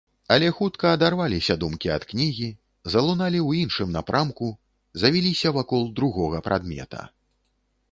Але хутка адарваліся думкі ад кнігі, залуналі ў іншым напрамку, завіліся вакол другога прадмета.